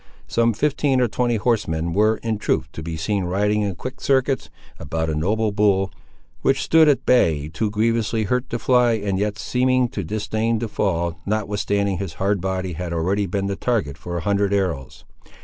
Some fifteen or twenty horsemen were, in truth, to be seen riding, in quick circuits, about a noble bull, which stood at bay, too grievously hurt to fly, and yet seeming to disdain to fall, notwithstanding his hardy body had already been the target for a hundred arrows.